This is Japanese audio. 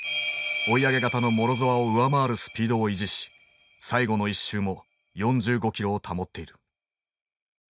追い上げ型のモロゾワを上回るスピードを維持し最後の１周も４５キロを保っている。